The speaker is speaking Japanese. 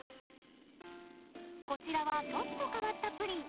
こちらはちょっと変わったプリン。